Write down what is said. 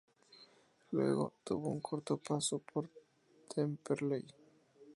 Luego, tuvo un corto paso por Temperley.